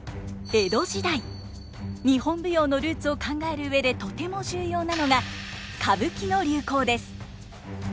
日本舞踊のルーツを考える上でとても重要なのが歌舞伎の流行です。